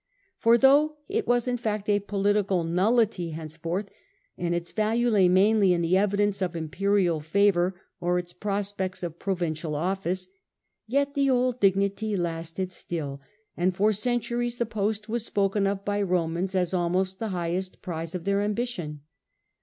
For though it was in fact a political nullity henceforth, and its value lay mainly in the evidence of imperial favour or its prospects of provincial office, yet the old dignity lasted still, and for centuries the post was spoken of by Romans as almost the highest prize of their ambition.